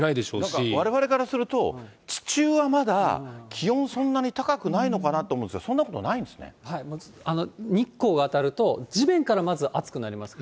なんかわれわれからすると、地中はまだ、気温そんなに高くないのかなと思うんですけど、そんなことないん日光が当たると、地面からまず熱くなります。